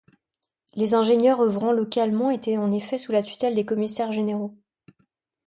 Les ingénieurs œuvrant localement étaient en effet sous la tutelle des commissaires généraux.